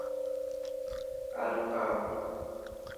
آلو کاهه.